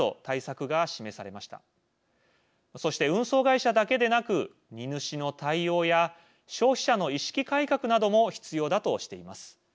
そして運送会社だけでなく荷主の対応や消費者の意識改革なども必要だとしています。